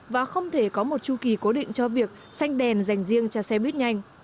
và không thể có một chu kỳ cố định cho việc xanh đèn dành riêng cho xe buýt nhanh